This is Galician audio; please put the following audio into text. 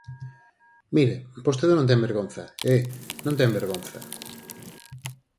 Mire, vostede non ten vergonza, ¡eh!, non ten vergonza.